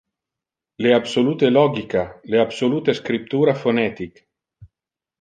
Le absolute logica, le absolute scriptura phonetic.